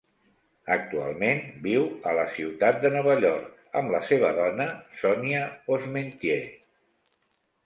Actualment viu a la ciutat de Nova York amb la seva dona Sonya Posmentier.